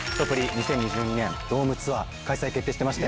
２０２２年ドームツアー開催決定しまして。